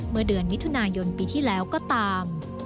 เมื่อเดือนมิถุนายนปีที่แล้วก็ตาม